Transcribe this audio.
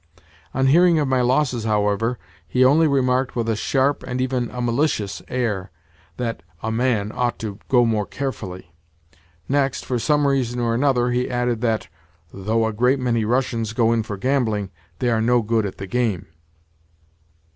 On hearing of my losses, however, he only remarked with a sharp, and even a malicious, air that "a man ought to go more carefully." Next, for some reason or another, he added that, "though a great many Russians go in for gambling, they are no good at the game."